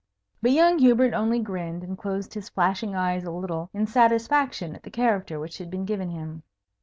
But young Hubert only grinned, and closed his flashing eyes a little, in satisfaction at the character which had been given him.